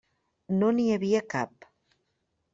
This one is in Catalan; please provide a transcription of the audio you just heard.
No n'hi havia cap.